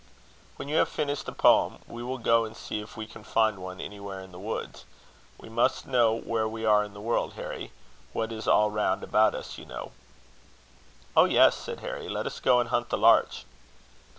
"When you have finished the poem, we will go and see if we can find one anywhere in the woods. We must know where we are in the world, Harry what is all round about us, you know." "Oh, yes," said Harry; "let us go and hunt the larch."